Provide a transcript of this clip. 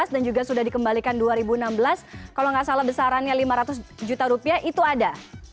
dan juga sudah dikembalikan dua ribu enam belas kalau tidak salah besarnya lima ratus juta rupiah itu ada